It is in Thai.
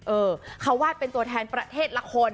เออเขาวาดเป็นตัวแทนประเทศละคน